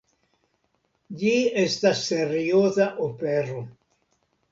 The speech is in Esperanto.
Ĝi estas serioza opero.